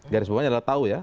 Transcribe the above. garis bawahnya adalah tahu ya